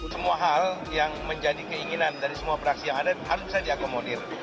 semua hal yang menjadi keinginan dari semua praksi yang ada harus bisa diakomodir